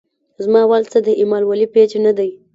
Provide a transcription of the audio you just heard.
زما وال څۀ د اېمل ولي پېج نۀ دے